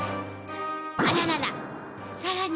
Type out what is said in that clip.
あららら